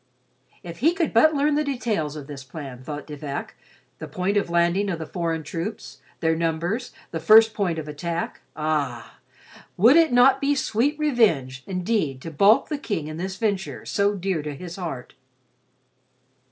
If he could but learn the details of this plan, thought De Vac: the point of landing of the foreign troops; their numbers; the first point of attack. Ah, would it not be sweet revenge indeed to balk the King in this venture so dear to his heart!